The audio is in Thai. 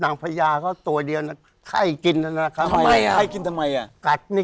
นางพระยาตัวเดียวนี่